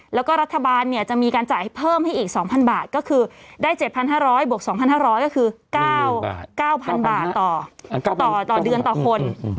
แล้วก็รัฐบาลจะมีการจ่ายเพิ่มให้อีก๒๐๐บาทก็คือได้๗๕๐๐บวก๒๕๐๐ก็คือ๙๐๐บาทต่อต่อเดือนต่อคน